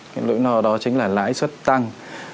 cái nỗi lo đó chính là lãi suất tăng